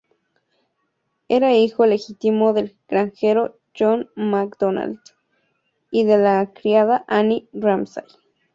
Era hijo ilegítimo del granjero John MacDonald y de la criada Anne Ramsay.